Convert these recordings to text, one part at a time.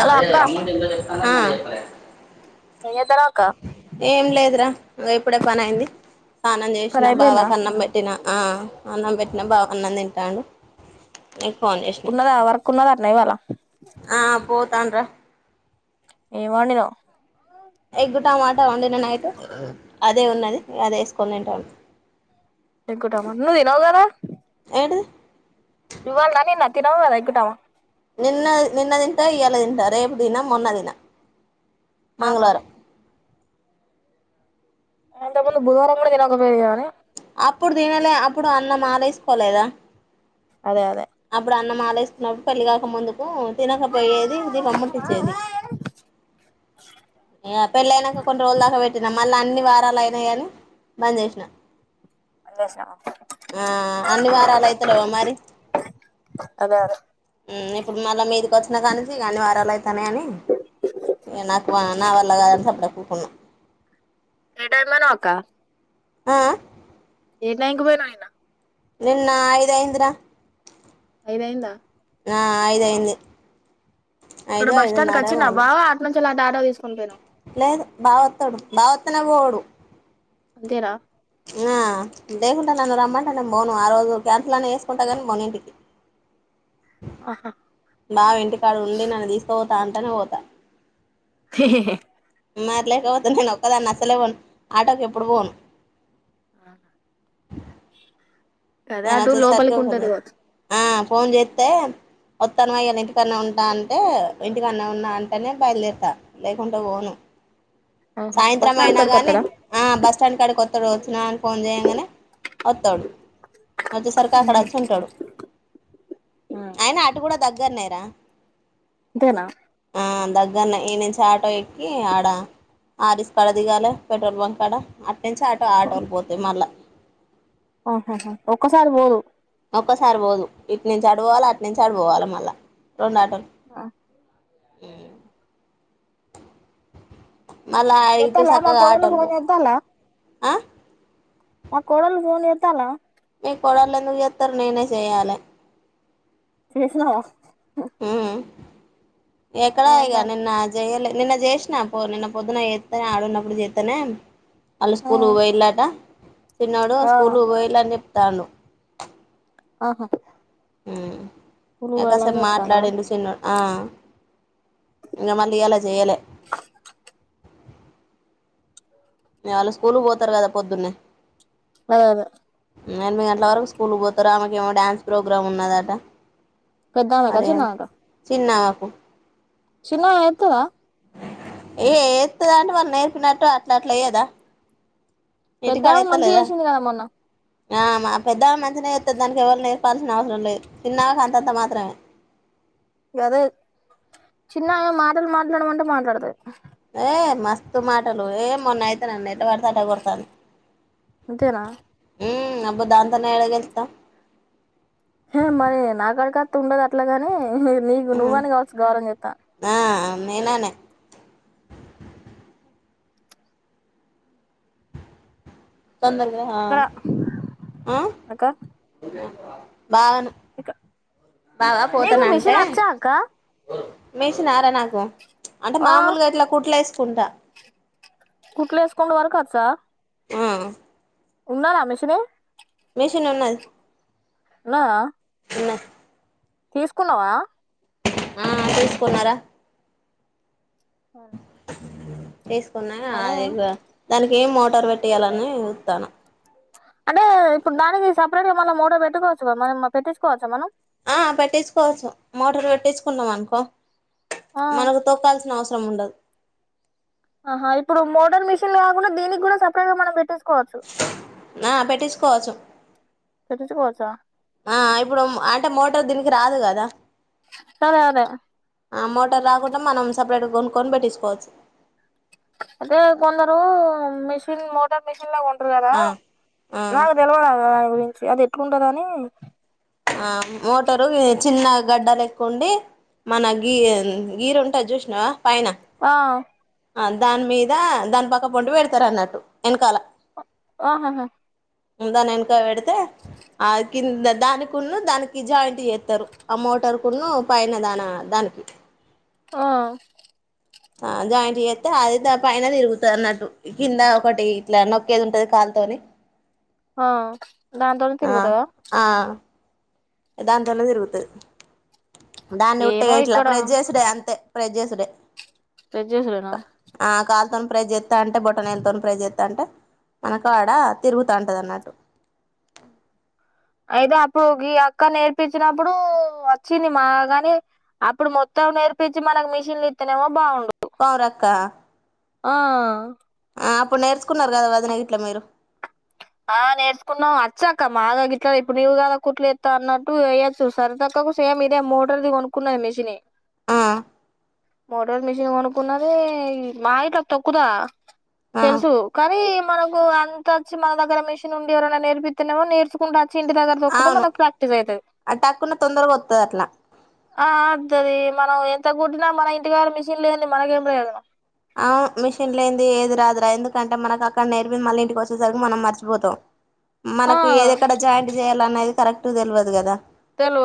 Hello అక్క జేత్తన్నవక్క ఇంగ ఇప్పుడే పని అయింది స్నానం పని జేసిన బావ అయిపోయిందా కన్నం పెట్టిన ఆ అన్ననం బెట్నా బావన్నం తింటాండు నీకు ఫోన్ చేసిన పున్నద వర్కున్నదట్నా ఇవాళ తాండ్రా ఏమొండినావ్ ఎ గ టమాట వండిన నైట్ అదే ఉన్నది ఇగ అదే వేసుకొని తింటాను ఎగ్ టమట నువ్ దినవ్ గదా ఏంటిది ఇవ్వాల్నా నా తినవ అద ఎకుావ నిన్న నిన్న దింట ఇయళ తింట రేపు దిన మొన్న దిన ఆహా అంత ముందు బుధవారం గూడా దినకపోయేది గదనే అప్పుడు దీనిలే అప్పుడు అన్నం మాాలేసుకోలేదా అదే అదే అప్పుడు అన్నం మాలేస్తున్నప్పుడు పెళ్గా ముందుకు తినక పోయేది దీపమ్ముటి చేేది పలా కొండ వళ్ద వెట్ న మళ్ళా అన్ని వారాలు అయినాయనీ బంద్ చేసినా వదిలేసినవా ఆ అన్ని వారాలు అయితలేవా మరి అదే ఇప్పుడు మళ్ళా మీదికి వచ్చినా కా ను అన్ని వారాలుయితే తనే అని ఇంగ నాకు నా వల్ల కాదంత అప్పుడ ఎక్కుకున్నా ఏటెల్లిపోయినవ్ అక్క ఆ ఏ టకి పోయినాయనా నిన్న ఐదు ఐంద్ర ఐదైందా ఆ అయిదు అయింది ఇక్కడ ఐదు బస్ స్టాండ్ క ఐదున్నర ఏమో వచ్చినా అయింది బావా అ నుంచి అలాడా తీసుకునిపోను లేదు బావొత్తడు బావొత్తనే పోడు అంతేనా ఆ లేకుండా నన్ను రమ్మంటే నేను బోను ఆ రోజు క్యాన్సల్నే వేసుకుంటా కానీ బోను ఇంటికి ఆహా బావ ఇంటి కాడు ఉండి నన్ను తీసుక పోతా అంటనే పోతా హె హి మరి లేకపోతే నేను ఒక్కదాన్ని అసలే పోను ఆటోకి ఎప్పుడు పోను ఆ కదా నేను అటు వచ్చేసరికి లోపలికి ఫోన్ ఉంటది చేస్తా కాచ్చు ఆ ఫోన్ చేస్తే వత్తాను వయ్య ఇంటికాదనే ఉంటా అంటే ఇంటికాదనే ఉన్నా అంటేనే బయలుదేరుతా లేకుంటే పోను ఆహా బస్ సాయంత్రం స్టాండ్ అయినా కాడికి కానీ వత్తడా బస్ స్టాండ్ కాడికి వస్తాడు వచ్చినని ఫోన్ చేయగానే వస్తాడు వచ్చేసరికి అక్కడ వచ్చి ఉంటాడు ఆయన అటు కూడా దగ్గరనేరా తేన ఆ దగ్గరనె ఈ నుంచి ఆటో ఎక్కి ఆడ ఆరిస్ కడ దిగాలే పెట్రోల్ బంక్ ఆడ నిచ్ ఆటో ఆటోలు పోతాయి మళ్ళా ఆహహా ఒక్కసారి బో ఒక్కసారి బోదు ఇటి నుంచి అటుపోవాలి అటు నుంచి అటుపోవాలి మళ్ళా రొండు ఆటోల్ ఆ మళ్ళా ఇటు ఎత్తాల మా సక్కగా కోడలు ఆటోలు పోవు ఫోన్ ఎత్తాల ఆ మా కోడల్ ఫోన్ ఎతాలా మీ కోడలు ఎందుకు ఎత్తరు నేనే చేయాలే చేసిన మ్మ్ ఎక్కడ ఇగా ఏమంటాను నిన్న ఆ జెయ్యలే నిన్న చేసినా పో నిన్న పొద్దున ఎస్తానే ఆడున్నప్పుడు ఎస్తానే వాళ్ళ ఆ స్కూల్ పోయిలాట తిన్నాడు ఆ స్కూల్ బోయలే అని చెప్తాడు ఆహా ఉమ్ ఊరికి ఏ పోయాలని కాసెపు చెప్తాండా మాట్లాడిడు చినొ ఆ ఇగ మళ్ళీ ఇయ్యాల చేయలే మీ వాళ్ళు స్కూల్ పోతారు కదా పొద్దున్నే అవును ఎనిమిది గంటల వరకు స్కూల్కి పోతారు ఆమెకేమో డ్యాన్స్ ప్రోగ్రామ్ ఉన్నదట పెద్దమేక మరి చిన్నమేక. చిన్నామెకు చిన్నో ఎత్తుగా. ఏ ఎత్తందట వాళ్ళు నేర్పినట్టు అట్లా అట్లాఎయదా. పెద్దమే మంచిగా ఎసింది గదా మొన్న. ఆ మా పెద్దమే మంచినే ఎత్తది దానికి ఎవరు నేర్పావాల్సిన అవసరం లేదు చిన్నమేకు అంతంతా మాత్రమే. గదే చిన్నమే మాటలు మాట్లాడ మంటే మాట్లాడతాది. ఏ మస్తు మాటలు ఏ మొన్నైతే నన్నెత్తి కొడతా అంటది. అంతేనా. ఉమ్ అబ్బ దాంతోని ఏడ గెల్తం. హే మరి నా కాడకత్త ఉండదు అట్లాగాని. హు హ్మ్ నీకు ఉమ్ నువ్వని కావచ్ గౌరం జెత్త. ఆ నేననే. తొందరగా ఇక్కడ ఆ ఉమ్. బావన్. ఇక. బావ పోతనంటే మీషినార నాకు అంటే ఆ మామూలుగా ఇట్లా కుట్లేస్. కుండా. కుట్లేసుకుండ్రు వరకు వచ్చా. ఉమ్. ఉన్నారా మిషనే. మిషన్ ఉన్నాది. ఉన్నదా. ఉన్నే. తీసుకున్నావా. ఆ చూసుకున్నారా. అవునా. అ తీసుకున్నా అదిగో దానిక్. గేమ్ మోటర్ పెట్టియాలని జుత్తన. అంటే ఇప్పుడు దానికి సపరేట్ గా మల్ల మోటార్ పెట్టుకోవచ్చుగా మనం పెట్టించుకోవచ్చా మనం. ఆ పెట్టించుకోవచ్చు మోటార్ పెట్టించుకున్నాం అనుకో. ఆ మనకు తొక్కల్సిన అవస్. త్రముండద్. ఆహా ఇప్పుడు మోటర్ మిషన్ కాకుండా దీనిగూడ సపరేట్ గా మనం పెటిస్. ఆ పెట్టించుకోవచ్చు పెట్టించుకోవచ్చా ఆ. ఇప్పుడుమ్ అంటే మోటార్ దీనికి రాదు గదా. తదే అదే. ఆ మోటార్ రాకుండా మనం సపరేట్గా కొనుక్కొనిపెట్టించుకొచు. అదే కొందరు మిషిన్ మోటార్ మీషిన్ లా కో. రరా ఆ ఆ నాకు తెలవదా ఇ. అది ఎట్లుంటద అని ఆ మోటరు చిన్న గడాలేక్కుండి మన గీ గీరు ఉంటే చూసినవా పైన. ఆ ఆ దాని మీద దాని పక్క పండి పెడతారు అన్నట్టు వెనకాల ఆహాహా దాని ఏనక పెడితే ఆ కింద దానినికున్న దానికి జాయింట్ చేస్తారు. ఆ మోటార్ కున్న పైనదానా దానికి ఆ ఆ జాయింట్ చేస్తే అది పైన తిరుగుతు అన్నట్టు కింద ఒకటి ఇట్లా నొక్కేది ఉంటది కాలుతోని. ఆ దాని తోని ఆ తిరుగుతద ఆ దాంతోనే తిరుగతది దాన్ని ఏమో ఉట్టిగా ఇట్లా ఇక్కడ ప్రై చేసిడే అంతే ప్రజెసుడే వెజ్ చేసుడేనా ఆ కాల్తున్ ఫ్రై చేస్తా అంటే బొటనా అల్తోని ఫ్రై చేస్తా అంటే మనకు ఆడ తిరుగుతూ ఉంటుది అన్నట్టు. అయితే అప్పుడు గీ అక్క నేర్పించినప్పుడు వచ్చింది మా గాని అప్పుడు మొత్తం నేర్పించి మనకి మిషన్లు ఇత్తినమో బాగుండు పవురక ఆ ఆ అప్పుడు నేర్చుకున్నారు కదా వదిన ఇట్లా మీరు ఆ నేర్చుకున్నావు వచ్చాక్క మా ద ఇట్లా ఇప్పుడు నీవు కదా కుట్లు ఎత్తా అన్నట్టు వయొచ్చు సరిదక్కకు సేమ్ ఇదే మోటర్ది కొనుకున్నది మెషినీ. ఆ మోటార్ మిషన్ కొనుకున్నది మా ఇట్లా తోక్కుదా ఆ తెలుసు కానీ మనం కు అంత అచ్చ మానాధగ్ మిషన్ ఉం ఎరై నేర్పిస్తున్నామో నేర్చకుంట చి ఇంటి దగర్ తొక్కితే అవును మనకు ప్రాక్టీస్ అవుతుంది ఆ టక్కున తొందరగా వత్తది అట్లా ఆ ఆది మనం ఎంత కుట్టినా మన ఇంటికాడా మిషన్ లేంది మనకేం ప్రయోజనం ఆ మిషన్లుంది ఏది రాదురా ఎందుకంటే మనకు అక్కడ నేర్పింది మళ్ళీ ఇంటికి వచ్చేసరికి మనం మర్చిపోతాం. ఆ మనకి ఏది ఎక్కడ జాయింట్ చేయాలనేది కరెక్ట్ టు తెలవదు కదా తెలు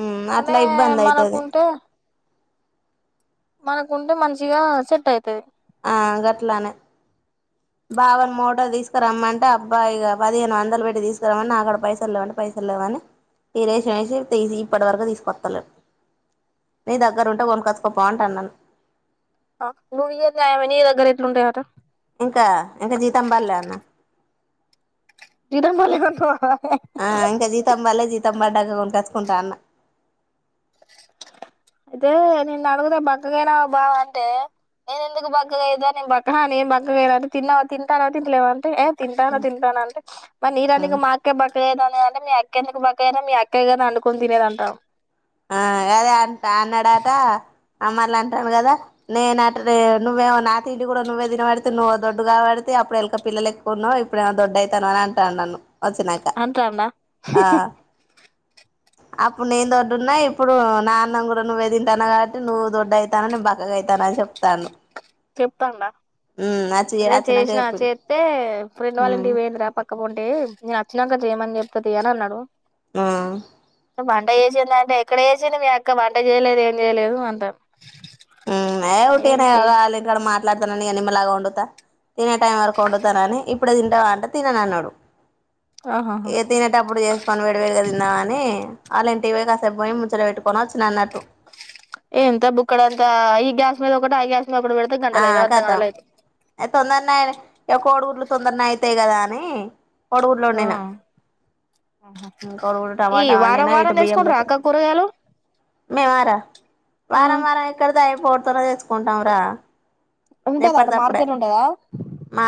ఉమ్ అట్లా అనే ఇబ్బంది అయితది మనకుంటే అనకుంటే మంచిగా సెట్ అవుతది ఆ గట్లానే బావని మోటలు తీసుకురమ్మంటే అబ్బాయి పదిహేను వందలు పెట్టి తీసుకురమ్మని నాక్కడ పైసలు లేవంటడి పైసలు లేవని ఈ రేషన్ వేసి తీసి ఇప్పటి వరకు తీసుకొస్తలే నీ దగ్గర ఉంటే కొనుక్కొచ్చుకోపో అంట న్నాను. నువు ఈయదే ఆమె నిదగర ఎట్లుంటాయి అటా ఇంకా ఇంకా జీతం బర్లే అన్న జీతం పడలేదంటవా ఆ ఇంకా జీతంబాల జీతాం బాడక కొనుక్కోచి కుంటాన్న నేను అడుగుతేా బక్కగయినా బావ అంటే నేను ఎందుకు బక్కగాఐతే నేను బక నే బక్కగ తన్నా తింటాన తిలేవు అంటే. ఏ తింటాన తింటాన అంటే మరి నీకన్నా ఇంకా మాకే బక్కగాయితనది అంటే మీ అక్క ఎందుకు బక్కయినా మీ అక్క గాధ వండుకొని తినేది అంటాం ఆ అదే అంట అన్నాడాట ఆ మల్ల అంటాండు కదా నేనట నువ్వే నా తిండి కూడా నువ్వే తినబడితే నువ్వేవో దొడ్డుగా పడితే అప్పుడు ఎలుక పిల్ల లెక్కున్నావ్ ఇప్పుడేమో దొడ్డు అయితా నువ్వు అని అంటాడు నన్ను వచ్చినాక అంటాండా ఆ అప్పుడు నేను దొడ్డున్నా ఇప్పుడు నా అన్నం కూడా నువ్వే తింటానావు కాబట్టి నువ్వు దొడ్డ అవుతాన నే బక్కగా అయితే నాని చెప్తాడు చెప్తాండా అదే అచ్చినంక చేసినా చెప్పిండు చేస్తే ఫ్రెండ్ ఉమ్ వాళ్ళంటికి పోయిందిరా పక్క పొంటి నేను వచ్చినాక చేయమని చెప్తే తీయి అన్నాడు ఆ వంట చేసింద అంటే ఎక్కడ చేసింది మీ అక్క వంట చేయలేదు ఏం చేయలేదు అంటాండు ఉహు ఏ ఉటీగానే వాళ్ళ ఇంటి కాడ మాట్ల మాట్లాతాన ఇగ నిమ్మలంగా వండుతా తినే టైం వరకు వండుతనని ఇ ఇప్పుడు తింటావా అంటే తినను అన్నాడు ఆహాహా ఏ తినేటప్పుడు చేసుకొని పెడితే ఇగా తిందాము అని అలాంటి కి పోయి కాసేపు పోయి ముచ్చట పెట్టుకొని వచ్చినా అన్నటు ఏంత బుక్కడు అం త ఈ గ్యాస్ మీద ఒకటి ఆ గ్యాస్ మీద ఒకటి పెడితే ఆ గంటలు అయితది అర్ధ కతం గంటలు అయితది తొందరానే అయినా కోడిగు లు తొందరన అయితాయి కదా అని కోడిగుడ్లు ఆ వండిన కోడిగుడ్డు ఈ టమాటా వారం వండినా వారం తెసుకుంట రా అక్క కూరగాయలు మేము అరా వారం వారం ఎక్కడ అయిపోతూనే తెచ్చుకుంటాం రా ఉంటదా అడ ఎప్పటిదప్పుడే మార్కెట్ ఉంటదా మా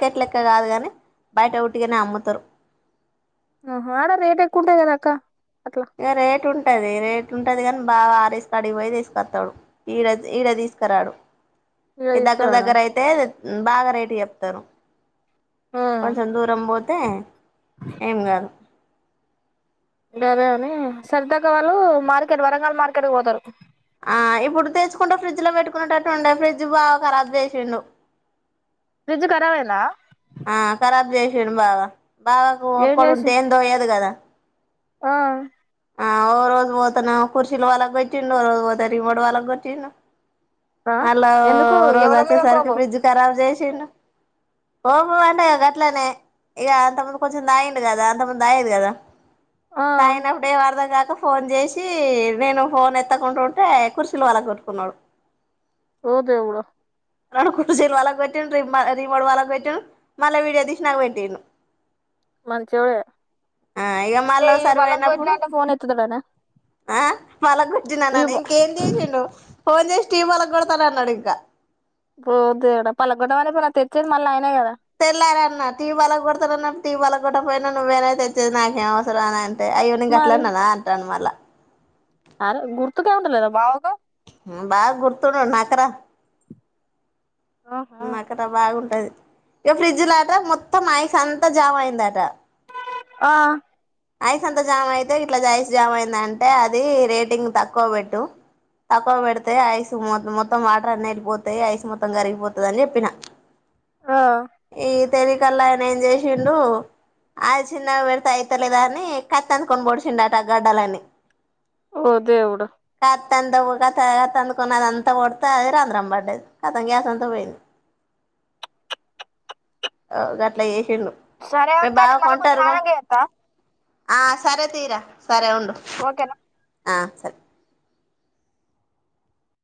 మార్కెట్ లెక్క కాదు కానీ బయట ఉట్టిగానే అమ్ముతారు ఆహా ఆడ రేట్ ఎక్కువ ఉంటది కదా అక్క అట్లా ఇగ రేట ఉంట ఉంటది రేట్ ఉంటది కాని బాగా ఆరేసు కాడి పోయి తీసుకొస్తాడు ఈడ ఈడ తీసుకురాడు ఇలా దగ్గర తీసుకురాడా దగ్గర అయితే తే బాగా రేటు చెప్తారు ఆ కొంచెం దూరం పోతే ఏం కాదు గదే అని సరిత అక్క వాళ్ళు మార్కెట్ వరంగల్ మార్కెట్ పోతారు ఆ ఇప్పుడు తెచ్చుకుంటే ఫ్రిడ్జ్ లో పెట్టుకునేటట్టు ఉండదు ఫ్రిడ్జ్ బావ ఖరాబ్ చేసిండు ఫ్రిడ్జ్ కరాబ్ అయిందా తిను బాగా బావకు ఒక్కడుంటే ఏం తోయదు కదా ఆ ఆ ఓ రోజు పోతేనేమో కుర్చిలు పలగొట్టిండు ఓ రోజు పోతే రిమోట్ పలగొట్టిండు ఆ అలా ఎందుకు ఓ రోజ్ ఎవల మీద కోపం వచ్చేసర్కిఫ్ర్రిజ్ కరాబ్ చేస్ తిను ఓహో అంటే అట్లనే ఇక అంత ముందు కొంచెం తాగిండు కదా అంత ముందు తాయదు కదా ఆ తాయినప్పుడేం అర్ధం కాద్ టు ఫోన్ చేసి నేను ఫోన్ ఎత్తకుంటుంటే కుర్చీలు పగలగొట్టుకున్నడు. ఓ దేవుడా రెండు కుర్చీలు పలగ్గొట్టిండు రిమ్ రిమోట్ పలగ్గొట్టిండు మళ్ళీ వీడియో తీసి నాకు పెట్టిండు మంచొడే ఆ ఇక అంటే మళ్ళీ ఇవి ఓసారి బలకోట్న పోయినప్పుడు అంటే ఫోన్ ఎత్తతడానే పలగొట్టినాననే ఇంకేం చేసిండు పోన్ చేసి స్టీమల కొడతనన్నాడింకా పోద్దుగడ పల్లగొడ్డమని కూనా తెచ్చేది మళ్ళీ అయినాయి కదా తెల్లారేన్న టీవీ బలగొడతనన్నడ్ టీవ్ పగలగొట్టక పోయినా నువ్యేనే తెచ్చేది నాకేం అవసరం అని అన్ అయ్యె నేన్ గట్లన్నన అంటండూ మల్ల అర గుర్తుకే ఉండలేదా బావకు ఊ బాగా గుర్తుడు నాకరా బాగుంటది ఇక ఫ్రిడ్జ్ లో ఆట మొత్తం ఐస్ అంతా జామ్ అయిందాట ఆ ఐస్ అంత జామ్ అయితే ఇట్లా ఐస్ జామ్ అయింద అంటే అది రేటింగ్ తక్కువ పెట్టు తక్కువ పెడితే ఐస్ మ మొత్తం వాటర్ అన్ని వెళ్ళిపోతాయి ఐస్ మొత్తం కరిగిపోతది అని చెప్పిన ఆ ఈన తెలికల్లా అయన ఏంచేసిండు ఐస్ చిన్నగా పెడతే అయి తలేదని కట్ అందుకొని పొడిచండట గడ్డలన్ని ఓ దేవుడు [unintelligible] కోడితే అది రంధ్రం పడ్డది కథం గ్యాస్ అంత పోయింది అవ్ గట్లా చేసిండు సరే మీ అక్క బావ నే మల్ల కొంచెం కొంటారు కొ ఆనాంక చేత్త ఆ సరే తీరా సరే ఉండు ఓకేనా ఆ సరే